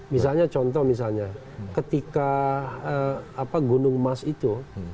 misalnya contoh misalnya ketika gunung emas itu